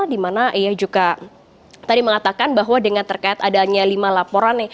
di mana ia juga tadi mengatakan bahwa dengan terkait adanya lima laporan